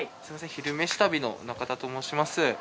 「昼めし旅」の中田と申します。